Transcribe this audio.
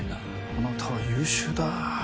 あなたは優秀だ。